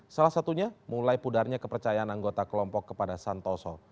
salah satunya mulai pudarnya kepercayaan anggota kelompok kepada santoso